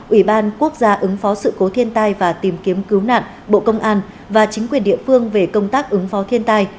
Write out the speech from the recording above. ủy ban quốc gia ứng phó sự cố thiên tai và tìm kiếm cứu nạn bộ công an và chính quyền địa phương về công tác ứng phó thiên tai